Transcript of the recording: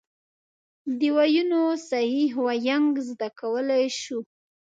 د ویونو صحیح وینګ زده کولای شو.